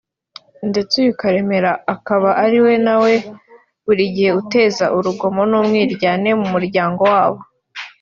ndetse uyu Karemera akaba ari nawe buri gihe uteza urugomo n’umwiryane mu muryango wabo